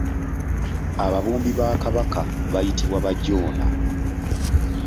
Ababumbi ba kabaka bayitibwa Bajoona.